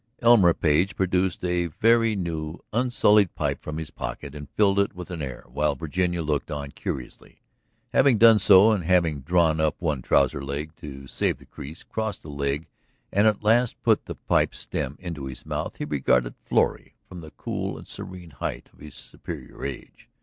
Elmer Page produced a very new, unsullied pipe from his pocket and filled it with an air, while Virginia looked on curiously. Having done so and having drawn up one trouser's leg to save the crease, crossed the leg and at last put the pipe stem into his mouth, he regarded Florrie from the cool and serene height of his superior age.